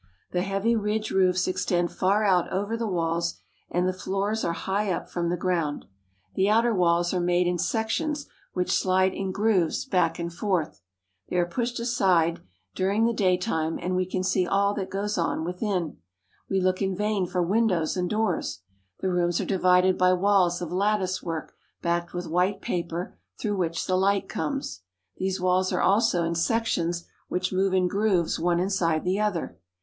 The heavy ridge roofs extend far out over the walls, and the floors are high up from the ground. The outer walls are made in sections which slide in grooves back and forth. They are pushed aside during TOKYO Fruits and Vegetables. 40 JAPAN the daytime, and we can see all that goes on within. We look in vain for windows and doors. The rooms are di vided by walls of latticework backed with white paper, through which the light comes. These walls are also in sections which move in grooves one inside the other.